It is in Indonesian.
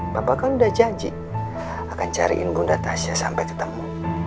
bapak kan udah janji akan cariin bunda tasya sampai ketemu